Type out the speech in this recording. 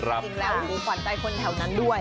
ถ้าเกิดกินแล้วหรือขวัญใจคนแถวนั้นด้วย